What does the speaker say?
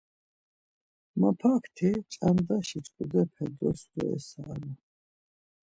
Mapakti ç̌andaşi ç̌ǩudape dostuesaru.